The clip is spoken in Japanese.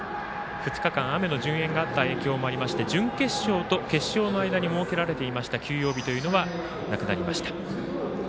２日間、雨の順延があった関係で準決勝と決勝の間に設けられていた休養日というのはなくなりました。